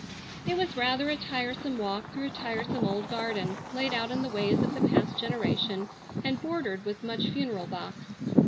It was rather a tiresome walk through a tiresome old garden, laid out in the ways of the past generation, and bordered with much funereal box.